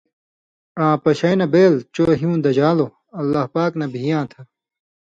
آں پَشَیں نہ بېل چو ہیُو دژان٘لو (اللہ پاک) نہ بِھیاں تھہ؛